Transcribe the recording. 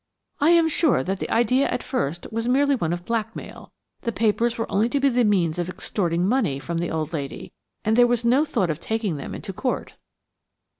I am sure that the idea at first was merely one of blackmail. The papers were only to be the means of extorting money from the old lady, and there was no thought of taking them into court.